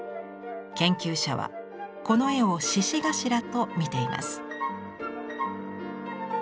研究者はこの絵を「シシガシラ」と見ています。